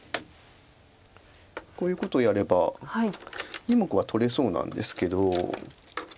こういうことやれば２目は取れそうなんですけど。